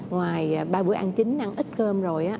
ngoài ba bữa ăn chính ăn ít cơm rồi